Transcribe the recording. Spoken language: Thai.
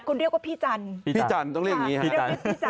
คุณเรียกว่าพี่จันเขาต้องเรียกอย่างนี้ค่ะ